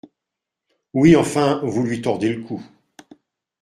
Oui, enfin, vous lui tordez le cou…